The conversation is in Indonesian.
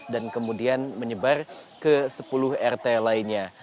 dan kemudian menyebar ke sepuluh rt lainnya